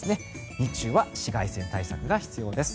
日中は紫外線対策が必要です。